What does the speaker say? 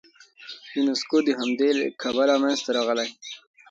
یونسکو د همدې کبله منځته راغلی.